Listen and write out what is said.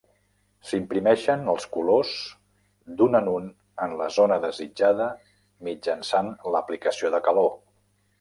S'imprimeixen els colors d'un en un en la zona desitjada mitjançant l'aplicació de calor.